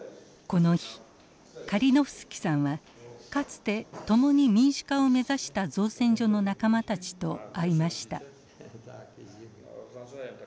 この日カリノフスキさんはかつて共に民主化を目指した造船所の仲間たちと会いました。